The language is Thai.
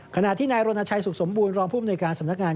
ขณะที่นายรณชัยสุขสมบูรณรองผู้มนุยการสำนักงาน